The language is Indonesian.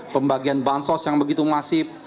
pembagian bansos yang begitu masif